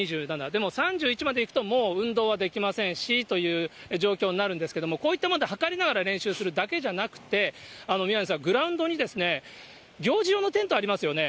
でも３１までいくと、もう運動はできませんしっていう状況になるんですけども、こういったもので測りながら練習するだけじゃなくて、宮根さん、グラウンドに行事用のテントありますよね。